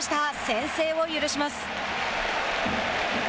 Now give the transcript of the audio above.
先制を許します。